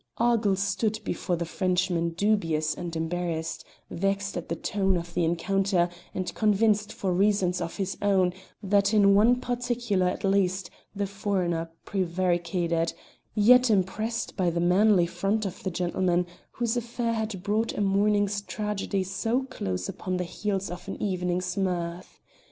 Argyll stood before the Frenchman dubious and embarrassed; vexed at the tone of the encounter, and convinced, for reasons of his own, that in one particular at least the foreigner prevaricated, yet impressed by the manly front of the gentleman whose affair had brought a morning's tragedy so close upon the heels of an evening's mirth.